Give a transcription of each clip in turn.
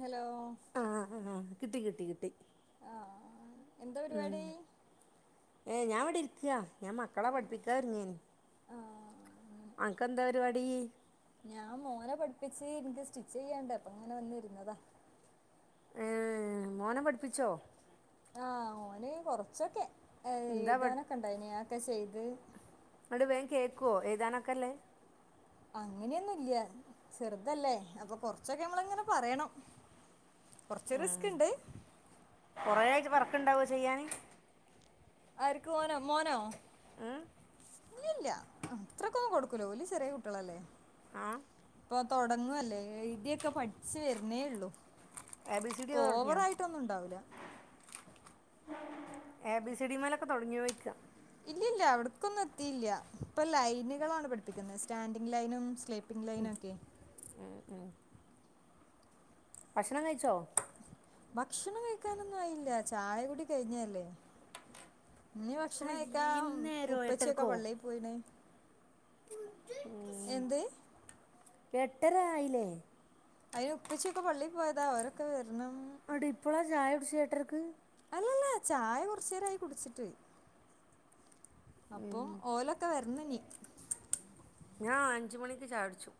Hello... ആഹ് ആഹ് കിട്ടി.. കിട്ടി.. കിട്ടി ആ-ഹ... എന്താ പരിപാടി? ഏ.. ഞാനിവിടെരിക്കയാ. ഞാ മക്കളെ പഠിപ്പിക്കാഇരുന്നേനു ആ അങ്ങനെ അനക്കേന്താ പരിപാടി... സേ... നിക്ക് സ്റ്റിച്ചിയ്യാണ്ടേ അപ്പൊ ങ്ങനെ വന്നിര്ന്നതാ ഏ.... മോനെ പഠിപ്പിച്ചോ? ആഹ്.. ഓന് കൊറച്ചൊക്കെ ഏ... എന്താ പഠി എഴുതാനൊക്കെണ്ടായിന അ ഒക്കെ ചെയ്ത് കേകൊവ്‌ ഏതാനൊക്കെല്ലേ? അങ്ങനെയൊന്നുല്യാ ചെർതല്ലേ അപ്പൊ കൊറച്ചൊക്കെ മ്മളങ്ങനെ പറേണം കൊറച്ച് റിസ്ക്ണ്ട് വർക്ണ്ടാവോ ചെയ്യാാന് ആര്ക്ക് ഓനോ മോനോ? ഏ... ഇല്യാല്ല മ് അത്രക്കൊമം കൊടുക്കുലഓല് ചെറീയ കുട്ടിളല്ലേ ആ.. പ തൊടങ്ങല്ലേ ഏയ്‌തിയൊക്കെ പഠിച്ചു വരന്നേള്ളു എ ബി സി ഡി പ്പൊ ഒക്കെ തൊടങ്ങിയോ ഓവറായിട്ടൊന്നും ഇണ്ടാവൂല എ ബിസി ഡി മേലൊക്കെ തൊടങ്ങോ യിക്കാ ഇല്ലല്ല അവിടക്കൊന്നും എത്തിയില്ല ഇപ്പൊ ലൈനുകളാണ് പഠിപ്പിക്കുന്നത് സ്റ്റാൻഡിങ് ലൈനും സ്ലീ പിംലൈനൊക്കെ ഭശ്ണം കഴിച്ചോ ഭക്ഷണം കഴിക്കാനൊന്നും ആയില്ല ചായ കുടി കയിഞ്ഞല്ലേ നി ഭശ്ണം അയ്യ് കയിക്കാ ഇന്നേരോ ഉപ്പച്ചിയൊക്കെ എട്ടരക്കോ പള്ളയി പോയിണ എന്ത്? എട്ടരായിലെ... അയിന് ഉപ്പച്ചൊക്കെ പള്ളിൽ പോയതാ അവരൊക്കെ വെര്ണ് അടി ഇപ്പളാ ചായുടിച്ച എട്ടര്ക്ക് ഇലല്ല ചായ കൊറചേരായി കുടിച്ചിട്ട് അപ്പോ.. ഉം ഓലക്കെ വർ ഇന്ന്നി.. ഞാ അഞ്ച്മണിക്ക് ചായുടിച്ചു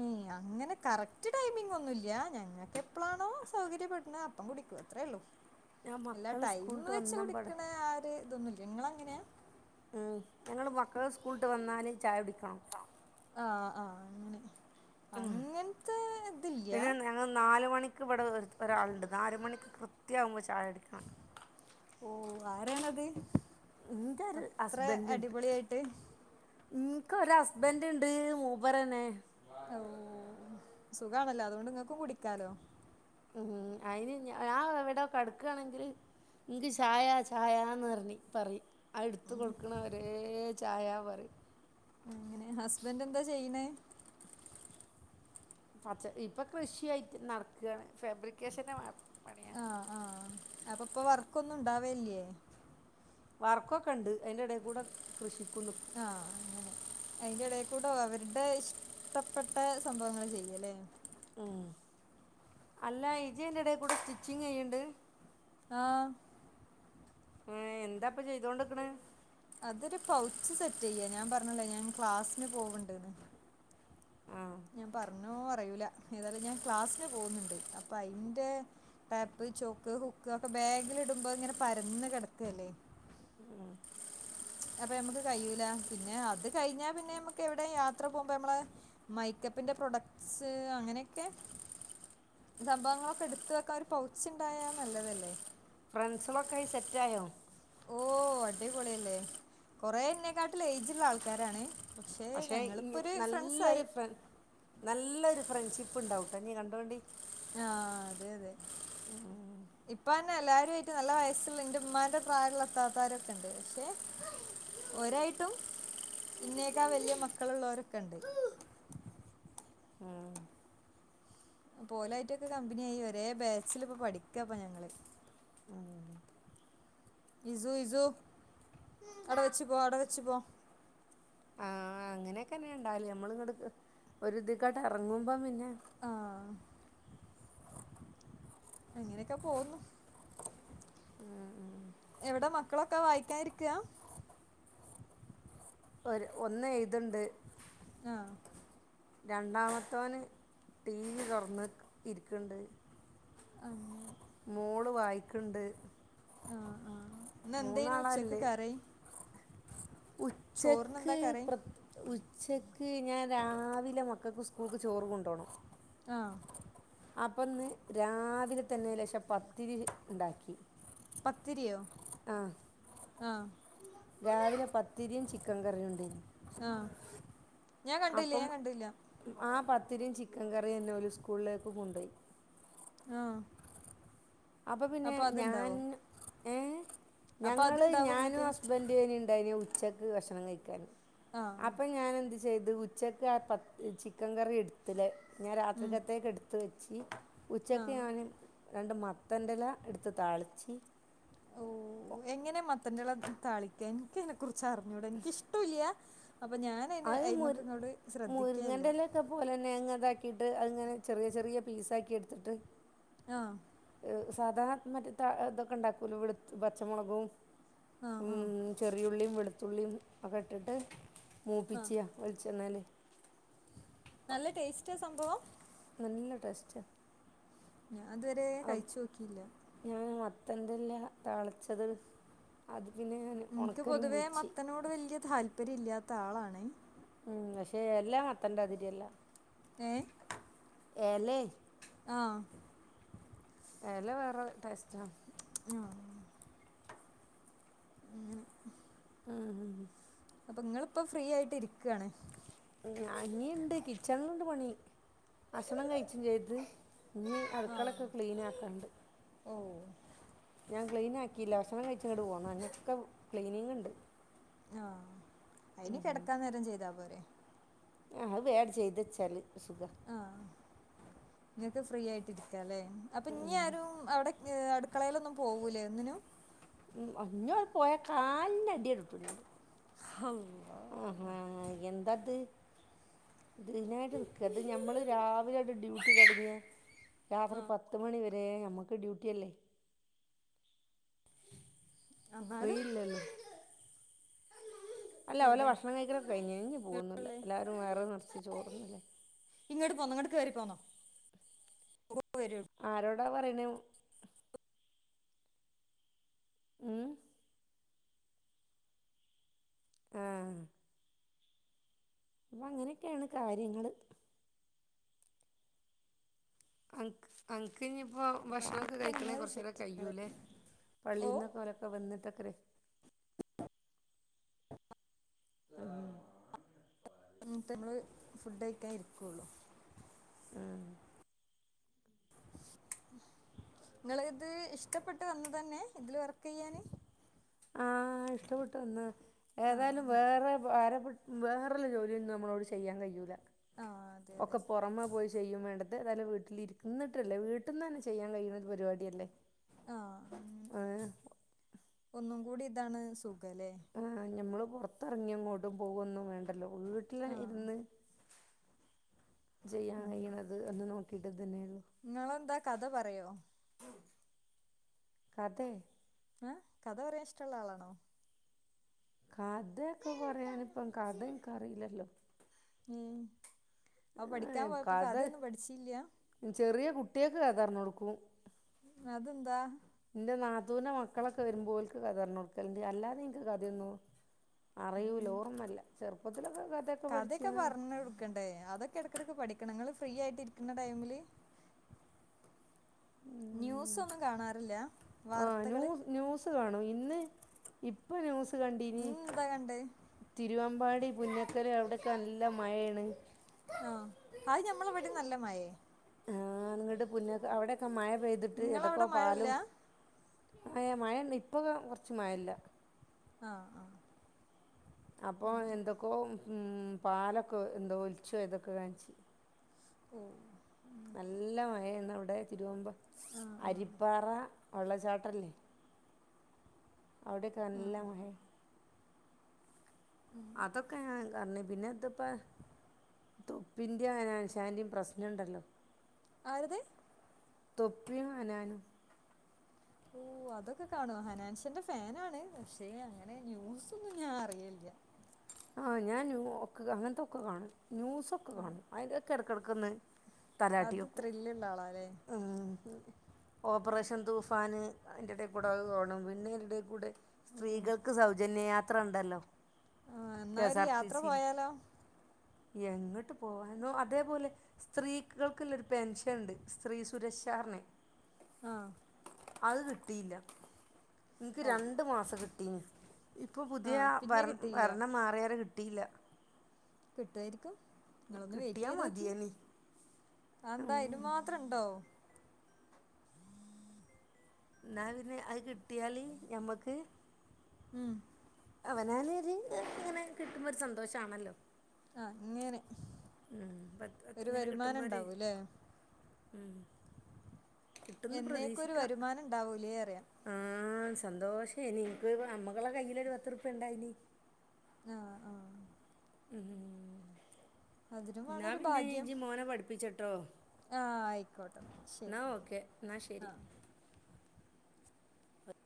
ൻ... അങ്ങനെ കറക്റ്റ് ടൈമിംങൊന്നുല്യ, ഞങ്ങക്കെപ്ലണോ സൗകര്യപ്പെട്ണ്ത് അപ്പം കുടി അത്രേള്ളു ഞാൻ ഇല്ല മക്കള് ടൈമ് സ്കൂളിട്ട് വെച്ച് വന്നപാടെ കുടിക്ണ.. ആര് ഇതൊന്നുല്യ ങ്ങളങ്ങനെയാ? മ്.. ഞങ്ങള് മക്കള് സ്കൂള്ട്ട് വന്നാല് ചായുടിക്കണം. ആഹ.. ആഹ.. അങ്ങനെ അങ്ങൻത്തെ ന്നെ ഞങ്ങൾ നാല് മണിക്ക് ഇവ്ടെ ഒര് ഒരാളുണ്ട് നാല് മണിക്ക് കൃ ഓ.. ആരാണത്? ന്റെ ഒരു അത്ര ഹസ്ബൻറ്ണ്ട് അടിപൊളിയായിട്ട് ഇൻകൊരസ്ബൻറ്ണ്ട്... മൂപരന്നെ സുഗാണല്ലോ അതൊണ്ട് ഇങ്ങക്കും കുടിക്കാലോ ഉം അയിന് ഞ ഞാൻ ഇവിടെ കെടക്കുവാണെങ്കിൽ എൻക്ക് ചായാ ചായാന്ന് പറഞ്ഞ് പറയും അ എടുത്ത് കൊടുക്കണ വരേ ചായ പറി അങ്ങനെ ഹസ്ബന്റ് എന്താ ചെയ്യണേ പച്ച ഇപ്പൊ കൃഷിയായിട്ട് നടക്കുവാണ് ഫാബ്രിക്കേഷന് ആ -ആ അപ്പൊപ്പ വർക്കൊന്നുംണ്ടാവേ ഇല്ല്യേ വർക്കൊക്കെ ഉണ്ട് അതിന്റെ എടേ കൂടെ കൃഷി ആ അങ്ങനെ അതിന്റെ ഇടേക്കൂടെ അവരുടെ ഇഷ്ടപ്പെട്ട സംഭവങ്ങൾ ചെയ്യല്ലേ അല്ല ഇജ് അതിന്റെ ഇടേ കൂടെ സ്റ്റിച്ചിങ് ചെയ്യണ്ട് ആഹ് ഏ എന്താപ്പൊ ചെയ്തോണ്ടിക്കണ് അതൊരു പൗച്ച് സെറ്റ് ചെയ്യാ ഞാൻ പറഞ്ഞില്ലേ ഞാൻ ക്ലാസ്സിന് പോവ്ണ്ട്ന്ന് ആ നോ അറിയൂല്ല ഏതായാലും ഞാൻ ക്ലാസ്സിന് പോകുന്നുണ്ട് അപ്പ അയിൻ്റെ ടാപ്പ് ചോക്ക് ഹു ക്കോക്കെ ബാഗിൽ ഇടുമ്പോ ഇങ്ങനെ പരന്ന് കെടക്കല്ലേ ഉം അപ്പൊ നമ്മുക്ക് കഴിയൂല പിന്നെ അത് കഴിഞ്ഞാ പിന്നെ നമ്മുക്ക് എവിടെ യാത്ര പോകുമ്പോ നമ്മള് മൈക്കപ്പിന്റെ പ്രൊഡക്ട്സ് അങ്ങനെയൊക്കെ സംഭവങ്ങളൊക്കെ എടുത്ത് വെക്കാൻ ഒരു പൗച്ചുണ്ടായാ നല്ലതല്ലേ ഫ്രണ്ട്സുകളൊക്കായി സെറ്റായോ ഓ അടിപൊളില്ലേ കൊറേ എന്നേക്കാ ട്ടില് ഏജുള്ള ആൾക്കാരാണ് പക്ഷെ പക്ഷേ ഞങ്ങളിപ്പോ ഇനി ഒരു ഫ്രണ്ട്സായി നല്ലൊരു ഫ്ര നല്ലൊരു ഫ്രണ്ട്ഷിപ്പ് ഉണ്ടാവുട്ടോ നീ കണ്ടോണ്ടി ആ അതെ അതെ ഇപ്പ ന്നെ എല്ലാവരും ആയിട്ട് നല്ല വയസുള്ള എന്റെ ഉമ്മാന്റെ പ്രായ ഒള്ള ഇത്താത്തോരൊക്കെ ഉണ്ട് പക്ഷെ ഒരായിട്ടും ഇന്നേക്കാ വലിയ മക്കളുള്ളവരൊക്കെ ഉണ്ട് ഓലായിട്ടൊക്കെ കമ്പനിയായി ഒരേ ബാച്ചില് ഇപ്പൊ പഠിക്ക പ്പൊ ഞങ്ങള് ഉം ഇസു ഇസു അടെ വെച്ചു പോ അടെ വെച്ചു പോ ആ അങ്ങനെയൊക്കന്നെ ഇണ്ടാവല് നമ്മള് ഇങ്ങട്ട് ഒരിതിക്കാട്ട് എറങ്ങുമ്പം പിന്നെ ആഹ് അങ്ങനെയൊക്കെ പോന്നു എവിടെ മ ക്കളൊക്കെ വായിക്കാൻ ഇരികാ ഒര് ഒന്ന് എഴുത്ണ്ട് ആ രണ്ടാമത്തോന് ടി വി തുറന്ന് ഇരിക്ക്ണ്ട് ആ മോള് വായിക്ക്ണ്ട് ഇന്നെന്തേനു മൂന്നാളാ ഉച്ചക്ക് ഇല്ലെ കറി ഉച്ചക്ക് ചോറിനെന്താ കറി പ്ര ഉ ച്ചക്ക് ഞാൻ രാവിലെ മക്കൾക്ക് സ്കൂൾക്ക് ചോറ് കൊണ്ടോണം ആ അപ്പന്ന് രാവിലെ തന്നെ ലേശം പത്തിരി ഇണ്ടാക്കി പത്തിരിയോ ആഹ് ആ രാവിലെ പത്തിരിയും ചിക്കൻ കറിയും ഉണ്ടേനി ആഹ് ഞാൻ കണ്ടില്ല അപ്പം ഞാൻ കണ്ടില്ല ആ പത്തിരിയും ചിക്കൻ കറിയും അന്നെ ഓല് സ്കൂളിലേക്ക് കൊണ്ടുപോയി ആഹ് അപ്പൊ പിന്നെ ഞാൻ ഏ അപ്പൊ ഞങ്ങള് അത്ണ്ടാവും ഞാനും ഇങ്ങക്ക് ഹസ്ബന്റു എയിനി ഉണ്ടായിനി ഉച്ചക്ക് ഭക്ഷണം കഴിക്കാൻ ആഹ് അപ്പം ഞാൻ എന്ത് ചെയ്ത് ഉച്ചക്ക് ആ പ ചിക്കൻ കറി എടുത്തിലെ ഞാൻ ഉം രാത്രികത്തേക്ക് എടുത്ത് വെച്ച് ഉച്ചക്ക് ആഹ് ഞാൻ രണ്ട് മ മത്തന്റെല എടുത്ത് താളിച്ചി ഓ എങ്ങനെ മത്തന്റെല താളിക്കാ എനിക്കതിനെ കുറിച്ച് അറിഞ്ഞൂടാ എനിക്കിഷ്ട്ടുല്ല്യ അത് മു ശ്രദ്ധിക്കേല്ല മുരിങ്ങന്റെയിലൊക്കെ പോലെന്നെ ട്ട് അത്ങ്ങനെ ചെറിയ ചെറിയ പീസാക്കി എടുത്തിട്ട് ആഹ സാധാരണ മറ്റെ ത ഇതൊക്കെ ഉണ്ടാക്കൂലെ വെളുത്ത് പച്ചമുളകും ആഹ് ആഹ് ചെറിയുള്ളിയും വെളുത്തുള്ളിയും ഒക്കെ ഇട്ടിട്ട് മൂപ്പിച്ച ആഹ് വെളിച്ചെണ്ണയില് നല്ല ടേസ്റ്റാ സംഭവം നല്ല ടേസ്റ്റാ ഞാൻ ഇതുവരെ കഴിച്ചു നോക്കിയില്ല ന്തല്ല താളിച്ചത് അത് പിന്നെ ഞാൻ എനിക്ക് ഉണക്കലും പൊതുവേ വെച്ച് മത്തനോട് വല്യ താല്പര്യം ഇല്ലാത്ത ആളാണ് ഉം പക്ഷേ എല്ലാ മത്തന്റെ ആതിരിയല്ല എ എല ആഹ എല വേറെ ടേസ്റ്റാ ആഹ ആഹ് അപ്പൊ ഇങ്ങളിപ്പോ ഫ്രീ ആയിട്ട് ഇരിക്കാണ് ഇഞ്ഞിൻഡ് കിച്ചണിൽണ്ട് പണി ഭക്ഷണം കഴിച്ചും ചെയ്ത് ഇഞ്ഞ് ആ അടുക്കളൊക്കെ ക്ലീനാക്കാണ്ട് ഓ ഞാൻ ക്ലീനാക്കിയില്ല ഭക്ഷണം കഴിച്ച്ങ്ങട്ട് പോന്നാ ഇഞ്ഞൊക്കെ ക്ലീനിങ്ണ്ട് ആ അയിനി കേടക്കാൻ നേരം ചെയ്താ പോരെ ആ അത് വേ ആണ്ട് ചെയ്തച്ചാല് സുഖാ ഫ്രീയായിട്ട് ഇരിക്കല്ലെ അപ്പൊ ഇഞ്ഞ്യാരും അവിടെ അടുക്കളയിലൊന്നും പോവൂലേ ഒന്നിനും ഉം ഇഞ്ഞോല് പോയ കാലിന് അടികൊടുക്കും ഞാൻ ആ ഹാ എന്തത് ഇതിനായിട്ട്നിക്കത് ഞമ്മള് രാവിലാണ്ട് ഡ്യൂട്ടി തോടങ്ങിയ രാത്രി പത്ത് മണിവരെ ഞമ്മക്ക് ഡ്യൂട്ടി അല്ലേ ഫ്രീ എന്നാലും ഇല്ലല്ലോ അല്ല ഓലെ എവിടെ ഭക്ഷണം കഴിക്കലൊക്കെ കഴിഞ്ഞ് ഇഞ്ഞ് പോവൊന്നുല്ല എവിടെയുള്ളേ? എല്ലാരും വയറ് നെറച്ച് ചോറ്ന്ന്ണ് ണ്ങ്ങട്ട് കേറിപ്പോന്നോ എത്താ പറിനു ഉം? ആ അപ്പൊ അങ്ങനെയൊക്കെയാണ് കാര്യങ്ങള് അൻക് അൻക് ഇഞ്ഞ് പ്പോ അപ്പം ഭക്ഷണോക്കെ അങ്ങനെയൊക്കെയാണ് കഴിക്കണെ നിങ്ങളെ കൊറച്ചോക്കെ വിശേഷം കയ്യൂലേ ഓ പള്ളീന്നോക്കൊലൊക്കെ വന്നിട്ടോക്കരെ ആ വന്നിട്ടമ്മള് ഫുഡ് കഴിക്കാൻ ഇരിക്കൊള്ളു ഉം നിങ്ങള് ഇത് ഇഷ്ടപ്പെട്ട് വന്നതന്നെ ഇതില് വർക്ക്യ്യാന് ആ ഇഷ്ടപ്പെട്ട് വന്നതാ ഏതായാലും ആഹ് വേറെ ഭാര വേറല്ല ജോലിയൊന്നും നമ്മളോട് ചെയ്യാൻ കഴിയൂല ആഹ് അതെ അതെ ഒക്കെ പൊറമേ പോയി ചെയ്യും വേണ്ട ഇതേതായാലും വീട്ടിലിര്ന്നിട്ടല്ലേ വീട്ട്ന്നെന്നെ ചെയ്യാൻ കഴിയ്ണോരു പരിപാടിയല്ലേ ആ ഏഹ് ഒന്നും കൂടി ഇതാണ് സുഖല്ലേ പൊറത്തറങ്ങിങ്ങോട്ടും പോവോന്നും വേണ്ടല്ലോ വീട്ടില് ആഹ് ഇരുന്ന് ചെയ്യാൻ കഴിയ്ണത് അത് നോക്കിട്ട് ഇതന്നെയാണ് നിങ്ങളെന്താ കഥ പറയോ കഥെ ഏ കഥ പറയാൻ ഇഷ്ട്ടള്ള ആളാണോ കഥയോക്കെ പറയാന് ഇപ്പം കഥ ഇന്ക്ക് അറിയില്ലല്ലോ ഉം അപ്പൊ പഠിക്കാൻ പോയപ്പോ കഥ കഥെന്നും പഠിച്ചില്ല്യ കുട്ട്യാക്ക് കഥ പറഞ്ഞോട്ക്കും അതന്താ ഇന്റെ നാത്തൂന്റെ മക്കളൊക്കെ വരുമ്പോ ഓല്ക്ക് കഥപറഞ്ഞോട്ക്കല് അല്ലാതെ ഇന്ക്ക് കഥയൊന്നു കഥയൊക്കെ പറഞ്ഞോട്ക്കണ്ടേ അതൊക്കെ എടക്കേട്ക്ക് പഠി ക്കണം ഇങ്ങള് ഫ്രീയായിട്ട് ഇരിക്ക്ന്ന ടൈമില് മ്മ് ന്യൂസൊന്നും കാണാറില്ല ആ ന്യൂ വാർത്തകള് ന്യൂസ് കാണും ഇന്ന് ഇപ്പൊ ന്യൂ ഇന്നേന്താ കണ്ടേ തിരുവമ്പാടി പുന്നക്കല് അവിടോക്കെ നല്ല മഴാണ് ആ അത് ഞമ്മള് ഇവടിം നല്ല മഴേ ആണ് ഇ ട്ട് പുന്ന അവിടെയൊക്കെ മഴ പെയ്തിട്ട് ഏതൊക്കൊ നിങ്ങളവിടെ മഴല്ല പാലും ഏ മഴണ്ട് ഇപ്പൊ കൊറച്ച് മാഴല്ല ആ ആ അപ്പൊ എന്തൊക്കോ ഉം പാലൊക്കോ എന്തോ ഒലിച്ചോയതൊക്കെ കാണിച്ച് ഓ നല്ല മഴയാണ് അവിടെ തിരുവമ്പ ആഹ് ആഹ് അരിപ്പാറ വെള്ളച്ചാട്ടല്ലേ അവിടെക്കേ നല്ല ആഹ് മഴയാ അതൊക്കെ ഞാൻ കണ പിന്നെ ഇതിപ്പാ തൊപ്പിന്റെ ഹനാന്ശാന്റിം പ്രശ്നണ്ടല്ലോ ആരെത് തൊപ്പിയും ഹനാനും ഓ അതൊക്കെ കാണുവേ ഹനാൻസിന്റെ ഫാൻ ആണ് പക്ഷെ അങ്ങനെ ന്യൂസ്‌ ഒന്നും ഞാൻ അറിയിൽ ഇല്ല ആ ഞാൻ ന്യൂ ഒ അങ്ങനത്തെക്കെ കാണും ന്യൂസൊക്കെ കാണും അതിലൊക്കെ ഇടയ്ക്കിടയ്ക്കൊന്നു തലാട്ടി അത് വെക്കും ത്രില്ലുള്ള ആളാല്ലേ ഓപ്പറേഷൻ തൂഫാന് അതിന്റെ ഇടക്കൂടെ അത് കാണും പിന്നെ ഓ സ്ത്രീ കൾക്ക് സൗജന്യ യാത്ര ഉണ്ടല്ലോ ആ കെ എന്നാ എസ് ഒരു ആർ ടി യാത്ര സിയിൽ പോയാലോ എങ്ങോട്ട് പോവന്നോ അതേപോലെ സ്ത്രീകൾക്കുള്ള ഒരു പെൻഷൻ ഉണ്ട് സ്ത്രീ സുരക്ഷ ചർനെ ആഹ് അത് കിട്ടിയില്ല എനിക്ക് അള്ളാ രണ്ടു മാസം കിട്ടിനി ഇപ്പൊ പുതിയ ആഹ് പിന്നെ കിട്ടിയില്ല ഭരണം മാറിയരെ കിട്ടില്ല കിട്ടുവായിരിക്കും നിങ്ങളൊന്ന് വെറ്റ് ചെയ്ത് നോക്കി മതിയേനി അന്താ അതിനു മാത്രം ഇണ്ടോ എന്നാ പിന്നെ അത് കിട്ടിയാല് ഞമ്മക്ക് ഉം അവനനോരു ഇങ്ങനെ കിട്ടുമ്പോ ഒരു സന്തോഷമാണല്ലോ ആ അങ്ങേനെ ഉം പത്ത് പത്ത് ഇങ്ങനെ കിട്ടുമ്പോര് ഉണ്ടാവൂല്ലേ ഉം കിട്ടുന്നു എന്നേക്കും ഒരു പ്രതീക്ഷിക്ക വരുമാനം ഉണ്ടാവൂലേ അറിയാം ആഹ സന്തോഷനി ഒരു ഞമ്മകടെ കയ്ൽ ഒരു പത്ത് പത്ത് റുപിക ഉണ്ടായി ഇനി ആ ആ ഉം അതിനും വേണം ഞാ ഒരു പിന്നെ ഭാഗ്യം ഇജ് മോനെ പഠിപ്പിച്ചിട്ടോ ആ ആയിക്കോട്ടെ ശരി എന്ന ഓക്കെ എന്ന ശരി ആ